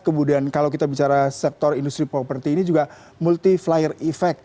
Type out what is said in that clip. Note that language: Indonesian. kemudian kalau kita bicara sektor industri properti ini juga multi flyer effect